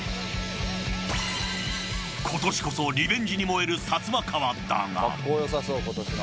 今年こそリベンジに燃えるサツマカワだが。